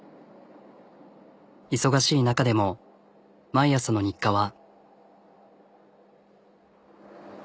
忙しい中でも毎朝の日課は。